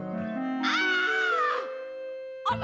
minta ampun bu merry